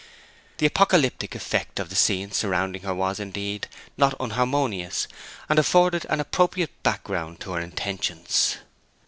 The apocalyptic effect of the scene surrounding her was, indeed, not inharmonious, and afforded an appropriate background to her intentions.